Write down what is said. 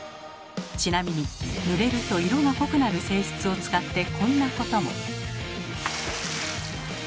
ちなみにぬれると色が濃くなる性質を使ってこんなことも。